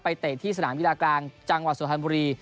ไปเตะที่สนามยีดากลางจังหวัดสวทธิบดี